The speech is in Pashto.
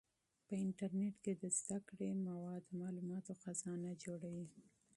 په انټرنیټ کې د زده کړې مواد د معلوماتو خزانه جوړوي.